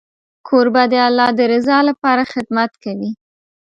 کوربه د الله د رضا لپاره خدمت کوي.